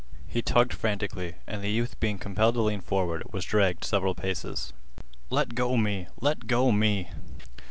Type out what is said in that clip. He tugged frantically, and the youth being compelled to lean forward was dragged several paces. "Let go me! Let go me!"